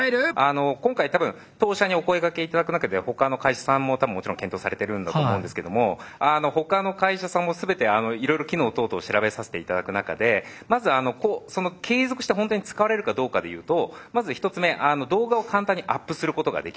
今回多分当社にお声掛け頂く中で他の会社さんも多分もちろん検討されてるんだと思うんですけども他の会社さんも全ていろいろ機能等々を調べさせて頂く中でまずその継続した「ほんとに使われるかどうか」で言うとまず１つ目動画を簡単にアップすることができます。